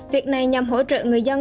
việc này nhằm hỗ trợ người dân